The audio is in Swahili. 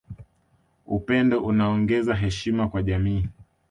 Upendo unaongeza heshima kwa jamii